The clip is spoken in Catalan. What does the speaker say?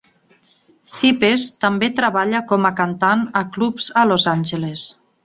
Cipes també treballa com a cantant a clubs a Los Angeles.